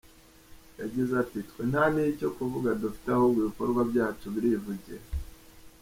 Yagize ati “ Twe nta n’icyo kuvuga dufite ahubwo ibikorwa byacu birivugira.